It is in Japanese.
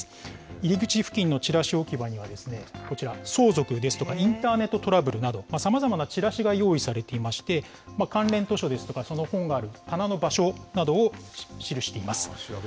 入り口付近のチラシ置き場には、こちら、相続ですとか、インターネットトラブルなど、さまざまなチラシが用意されていまして、関連図書ですとか、その本がある棚の場所などを記しています。